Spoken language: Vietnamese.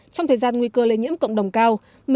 trong thời gian nguy cơ lây nhiễm cộng đồng cao